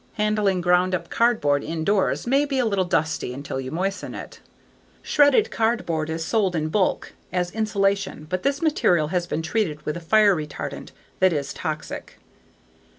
Handling ground up cardboard indoors may be a little dusty until you moisten it. Shredded cardboard is sold in bulk as insulation but this material has been treated with a fire retardant that is toxic.